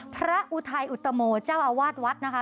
อุทัยอุตโมเจ้าอาวาสวัดนะคะ